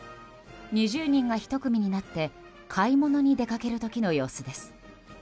２０人が１組になって買い物に出かける時の様子です。